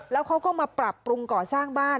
แล้วเขาก็มาปรับปรุงก่อสร้างบ้าน